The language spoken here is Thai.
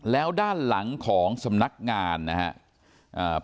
แล้วด้านหลังของสำนักงานนะครับ